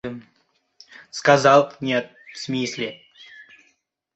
— Yo‘q, — dedim.